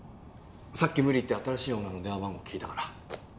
さっき無理言って新しいオーナーの電話番号聞いたから。